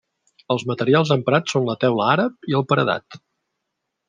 Els materials emprats són la teula àrab i el paredat.